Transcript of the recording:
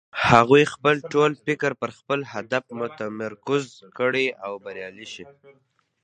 هغوی خپل ټول فکر پر خپل هدف متمرکز کړي او بريالی شي.